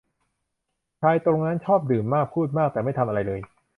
ชายคนนั้นตรงนั้นชอบดื่มมาก พูดมาก แต่ไม่ทำอะไรเลย